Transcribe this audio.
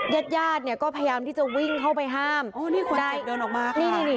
เด็ดญาติเนี่ยก็พยายามที่จะวิ่งเข้าไปห้ามโอ้นี่ควรจะเดินออกมาค่ะนี่นี่นี่